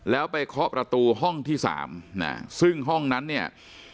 แล้วไปเคาะประตูห้องที่๓ซึ่งห้องนั้นเนี่ย